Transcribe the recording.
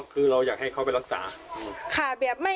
คือเราอยากให้เขาไปรักษา